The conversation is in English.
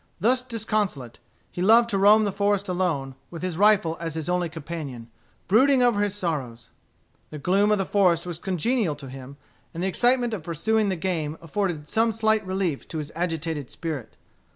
Thus disconsolate, he loved to roam the forest alone, with his rifle as his only companion, brooding over his sorrows. The gloom of the forest was congenial to him, and the excitement of pursuing the game afforded some slight relief to his agitated spirit.